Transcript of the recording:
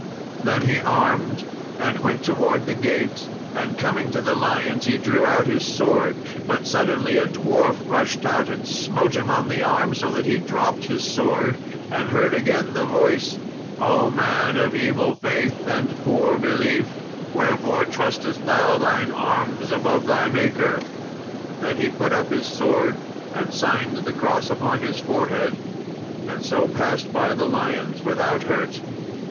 Then he armed and went towards the gate, and coming to the lions he drew out his sword, but suddenly a dwarf rushed out and smote him on the arm, so that he dropt his sword, and heard again the voice, "Oh, man of evil faith, and poor belief, wherefore trustest thou thine arms above thy Maker?" Then he put up his sword and signed the cross upon his forehead, and so passed by the lions without hurt.